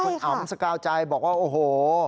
คุณอำสกาวใจบอกว่าโอ้โห